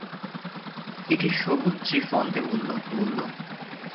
এটা সবুজ চিফন, সে বললো।